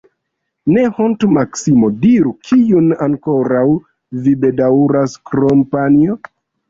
Ne hontu, Maksimo, diru, kiun ankoraŭ vi bedaŭras, krom panjo?